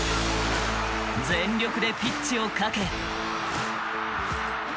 全力でピッチを駆け。